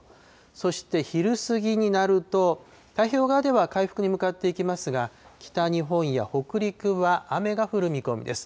そして昼過ぎになると、太平洋側では回復に向かっていきますが、北日本や北陸は雨が降る見込みです。